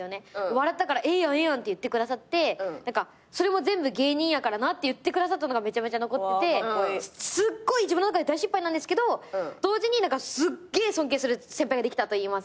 「笑ったからええやんええやん」って言ってくださって「それも全部芸人やからな」って言ってくださったのがめちゃめちゃ残っててすっごい自分の中で大失敗なんですけど同時にすっげえ尊敬する先輩ができたといいますか。